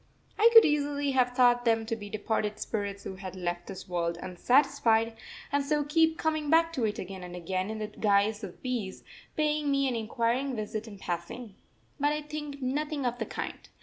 I could easily have thought them to be departed spirits who had left this world unsatisfied, and so keep coming back to it again and again in the guise of bees, paying me an inquiring visit in passing. But I think nothing of the kind.